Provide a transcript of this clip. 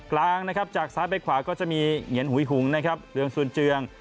กลางทาวน์จากใส่ไปขวาก็จะมีเหนียนหุ่ยหุ่งเลืองสุนเจียง